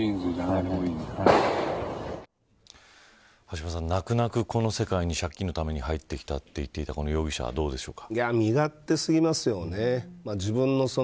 橋下さん、泣く泣くこの世界に借金のために入ってきたと言っていたこの容疑者どうでしょうか。